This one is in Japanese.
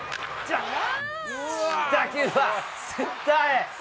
打球はセンターへ。